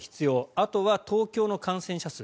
あとは東京の感染者数。